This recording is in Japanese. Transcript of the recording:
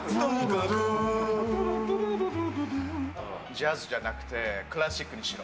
ジャズじゃなくて、クラシックにしろ。